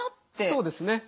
そうですね。